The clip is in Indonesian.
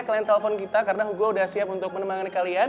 kalian telpon kita karena hugo udah siap untuk menemani kalian